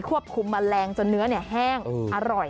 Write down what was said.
ควบคุมแมลงจนเนื้อแห้งอร่อย